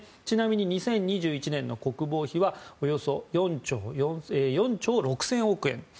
ちなみに２０２１年の国防費はおよそ４兆６０００億円。